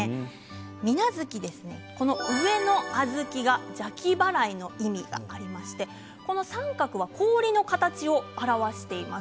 水無月、この上の小豆が邪気払いの意味がありましてこの三角は氷の形を表しています。